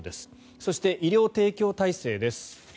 そして、医療提供体制です。